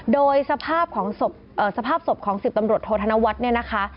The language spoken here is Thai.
โดยสภาพสบของ๑๐ตำรวจโทษธนวัตน์